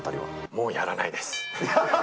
もうやらないです。